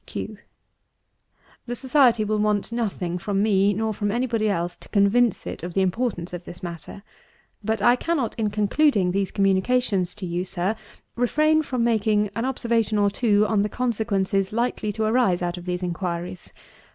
Q. The Society will want nothing from me, nor from any body else, to convince it of the importance of this matter; but I cannot, in concluding these communications to you, Sir, refrain from making an observation or two on the consequences likely to arise out of these inquiries.